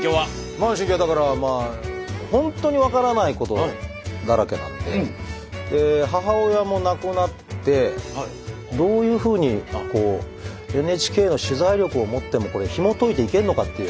今の心境はだからまあ本当に分からないことだらけなんでで母親も亡くなってどういうふうにこうＮＨＫの取材力をもってもこれひもといていけんのかっていう。